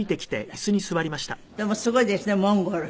でもすごいですねモンゴル。